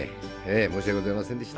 申しわけございませんでした。